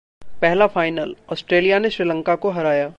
पहला final: Australia ने श्रीलंका को हराया